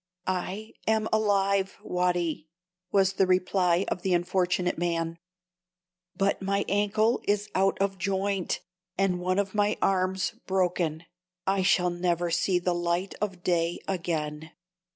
"I am alive, Watty," was the reply of the unfortunate man; "but my ankle is out of joint, and one of my arms broken. I shall never see the light of day again."